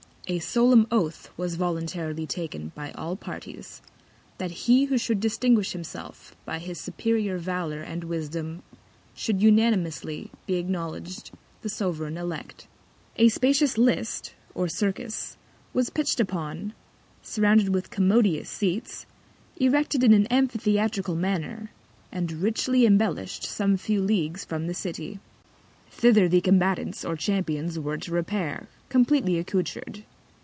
A solemn Oath was voluntarily taken by all Parties, that he who should distinguish himself by his superior Valour and Wisdom, should unanimously be acknowledg'd the Sovereign Elect. A spacious List, or Circus, was pitched upon, surrounded with commodious Seats, erected in an Amphitheatrical Manner, and richly embellish'd some few Leagues from the City. Thither the Combatants, or Champions were to repair, compleatly accoutred.